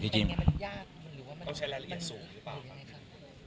ต้องใช้รายละเอียดสูงหรือเปล่า